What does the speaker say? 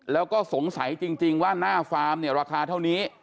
แล้วก็สงสัยจริงว่าหน้าฟาร์มเนี่ยราคาเท่านี้